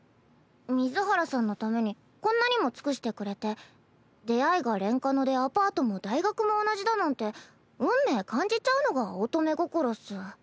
水原さんのためにこんなにも尽くしてくれて出会いがレンカノでアパートも大学も同じだなんて運命感じちゃうのが乙女心っス。